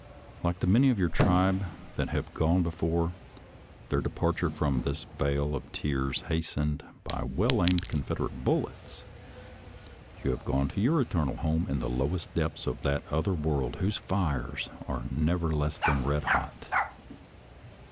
Like the many of your tribe that have gone before, their departure from this vale of tears hastened by well aimed Confederate bullets, you have gone to your eternal home in the lowest depths of that other world whose fires are never less than red hot.